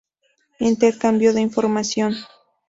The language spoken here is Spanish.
Intercambio de información.